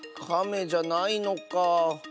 カメじゃないのかあ。